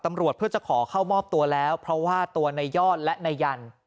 ตำรวจเพื่อจะขอเข้ามอบตัวแล้วเพราะว่าตัวในยอดและนายยัน